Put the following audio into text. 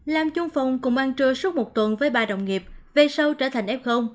làm chung phòng cùng ăn trưa suốt một tuần với ba đồng nghiệp về sau trở thành f